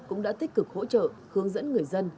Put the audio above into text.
cũng đã tích cực hỗ trợ hướng dẫn người dân